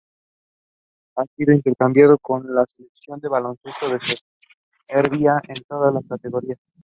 Ha sido internacional con la Selección de baloncesto de Serbia en todas las categorías.